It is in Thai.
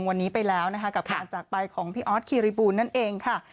วันนี้ไปแล้วนะคะกับการจากไปของพี่ออสคิริบูลนั่นเองค่ะ